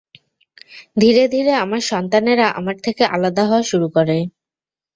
ধীরে ধীরে আমার সন্তানেরা, আমার থেকে আলাদা হওয়া শুরু করে।